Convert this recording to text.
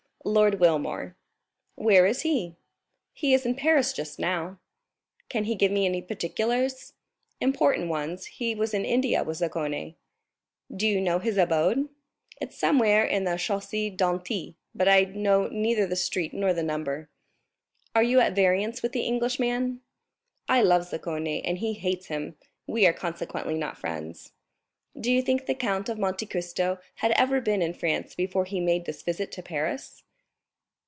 "Lord Wilmore." "Where is he?" "He is in Paris just now." "Can he give me any particulars?" "Important ones; he was in India with Zaccone." "Do you know his abode?" "It's somewhere in the Chaussée d'Antin; but I know neither the street nor the number." 30289m "Are you at variance with the Englishman?" "I love Zaccone, and he hates him; we are consequently not friends." "Do you think the Count of Monte Cristo had ever been in France before he made this visit to Paris?"